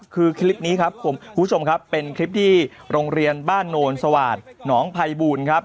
คือคลิปนี้ครับคุณผู้ชมครับเป็นคลิปที่โรงเรียนบ้านโนนสวาสหนองภัยบูลครับ